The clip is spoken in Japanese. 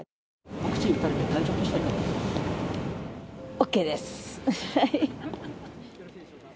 ワクチン打たれて体調は大丈夫でした？